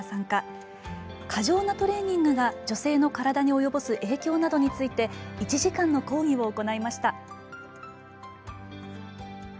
過剰なトレーニングが女性の体に及ぼす影響などについて１時間の講義を行いました。